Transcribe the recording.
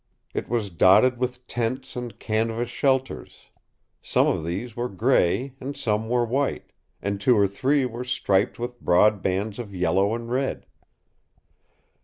It was dotted with tents and canvas shelters. Some of these were gray, and some were white, and two or three were striped with broad bands of yellow and red.